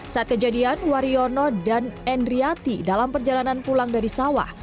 saat kejadian wariono dan endriati dalam perjalanan pulang dari sawah